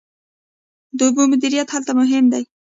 د اوبو مدیریت هلته مهم دی.